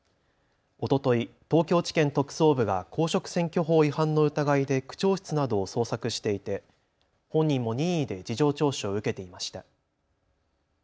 おととい東京地検特捜部が公職選挙法違反の疑いで区長室などを捜索していて本人も任意で事情聴取を受けていました。